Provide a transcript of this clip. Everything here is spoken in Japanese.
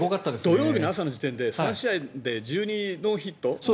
土曜日の朝の時点で３試合で１２ノーヒット？